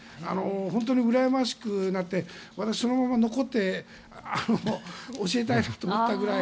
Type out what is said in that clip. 本当にうらやましくなって私、そのまま残って教えたいなと思ったくらい。